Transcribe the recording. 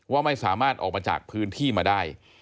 ว่าไม่สามารถออกมาจากพื้นที่มาได้